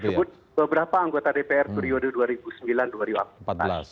kemudian disebut beberapa anggota dpr turiwado dua ribu sembilan